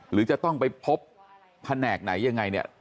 หรือจะต้องไปพบแผนกไหนยังไงเนี่ย